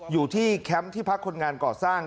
แคมป์ที่พักคนงานก่อสร้าง